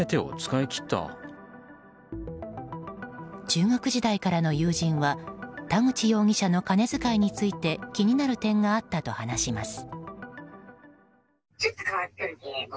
中学時代からの友人は田口容疑者の金遣いについて気になる点があったと話します。